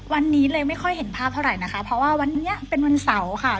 วันนี้เลยไม่ค่อยเห็นภาพเท่าไหร่นะคะเพราะว่าวันนี้เป็นวันเสาร์ค่ะ